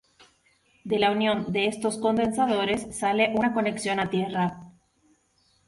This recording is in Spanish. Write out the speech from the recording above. De la unión de estos condensadores sale una conexión a tierra.